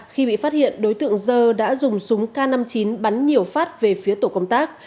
khi bị phát hiện đối tượng dơ đã dùng súng k năm mươi chín bắn nhiều phát về phía tổ công tác